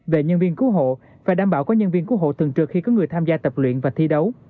về nhân viên cứu hộ và đảm bảo có nhân viên cứu hộ thường trực khi có người tham gia tập luyện và thi đấu